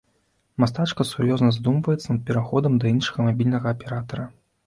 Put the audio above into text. Мастачка сур'ёзна задумваецца над пераходам да іншага мабільнага аператара.